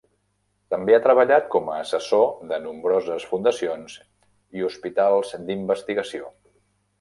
També ha treballat com a assessor de nombroses fundacions i hospitals d'investigació.